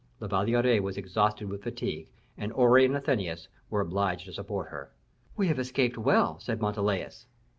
La Valliere was exhausted with fatigue, and Aure and Athenais were obliged to support her. "We have escaped well," said Montalais.